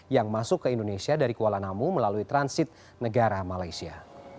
yang masuk ke indonesia dari kuala namu melalui transit negara malaysia